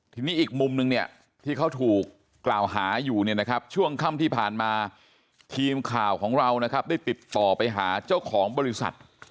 ทีนี้อีกมุมหนึ่งที่เขาถูกกล่าวหาอยู่ช่วงค่ำที่ผ่านมาทีมข่าวของเราได้ติดต่อไปหาเจ้าของบริษัท